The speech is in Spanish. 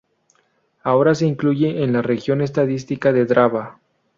Ahora se incluye en la región estadística de Drava.